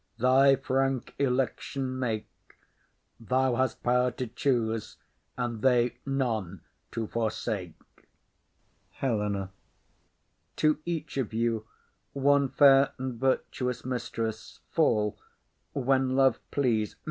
Thy frank election make; Thou hast power to choose, and they none to forsake. HELENA. To each of you one fair and virtuous mistress Fall, when love please!